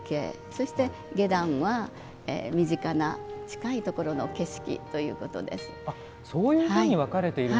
そして下段は、身近な近いところの景色ということです。